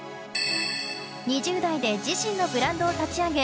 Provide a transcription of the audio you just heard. ２０代で自身のブランドを立ち上げ